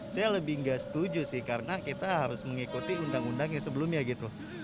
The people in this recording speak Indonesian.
saya lebih nggak setuju sih karena kita harus mengikuti undang undang yang sebelumnya gitu